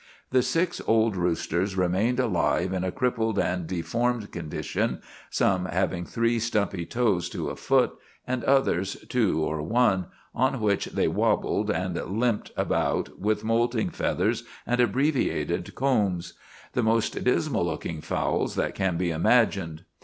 The six old roosters remained alive in a crippled and deformed condition, some having three stumpy toes to a foot, and others two or one, on which they wabbled and limped about with molting feathers and abbreviated combs, the most dismal looking fowls that can be imagined.